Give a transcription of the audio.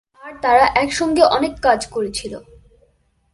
আর তারা একসঙ্গে অনেক কাজ করেছিল।